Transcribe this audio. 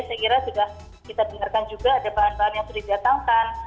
saya kira sudah kita dengarkan juga ada bahan bahan yang sudah didatangkan